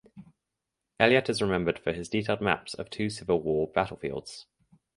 Elliott is remembered for his detailed maps of two Civil War battlefields.